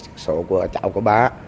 điều kiện số của cháu của bà